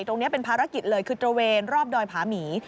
ตรงนี้เป็นภารกิจเลยคือตระเวนรอบดอยผาหมี